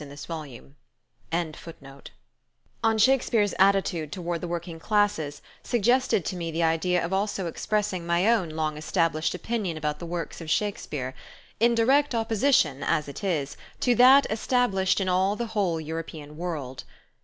G. BERNARD SHAW, 166 PART I TOLSTOY ON SHAKESPEARE I Mr. Crosby's article on Shakespeare's attitude toward the working classes suggested to me the idea of also expressing my own long established opinion about the works of Shakespeare, in direct opposition, as it is, to that established in all the whole European world.